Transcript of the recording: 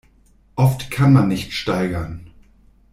Oft kann man nicht steigern.